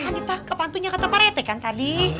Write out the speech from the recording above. ya kan ditangkap hantunya kata parete kan tadi